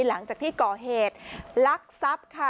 หลังจากที่ก่อเหตุลักทรัพย์ค่ะ